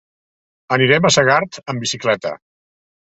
Anirem a Segart amb bicicleta.